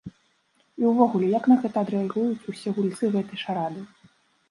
І ўвогуле як на гэта адрэагуюць ўсе гульцы гэтай шарады.